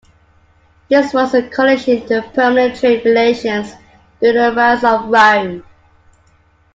This was a condition to permanent trade relations during the rise of Rome.